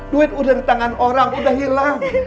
duit udah di tangan orang udah hilang